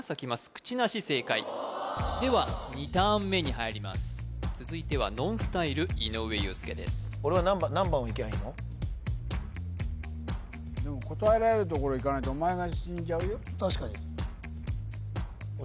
くちなし正解では２ターン目に入ります続いてはＮＯＮＳＴＹＬＥ井上裕介ですでも答えられるところいかないとおまえが死んじゃうよ